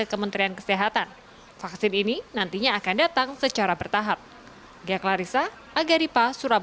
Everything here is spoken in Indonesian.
kementerian kesehatan vaksin ini nantinya akan datang secara bertahap